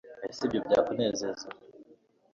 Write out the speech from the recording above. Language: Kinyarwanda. Ese ibyo byakunezeza